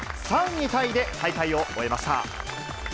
３位タイで大会を終えました。